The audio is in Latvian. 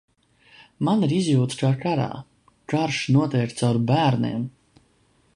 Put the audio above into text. Man ir izjūtas kā karā. Karš notiek caur bērniem.